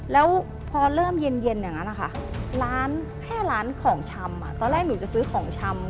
แล้วพอเริ่มเย็นอย่างนั้นนะคะร้านแค่ร้านของชำตอนแรกหนูจะซื้อของชำ